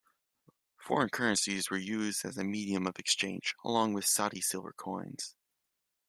Foreign currencies were used as a medium of exchange, along with Saudi silver coins.